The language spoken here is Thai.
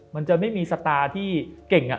มันจะไม่มีสตาร์ที่เก่ง